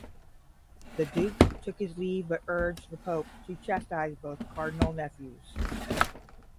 The Duke took his leave but urged the Pope to chastise both Cardinal-nephews.